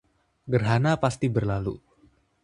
Gerhana pasti berlalu